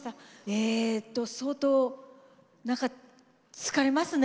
えと相当何か疲れますね。